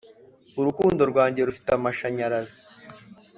urukundo rwanjye rufite amashanyarazi